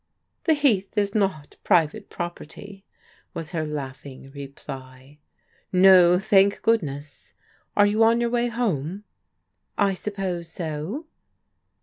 " The Heath is not private property," was her laughing reply. " Mo, thank goodness 1 Are you on your way home ?"" I suppose so."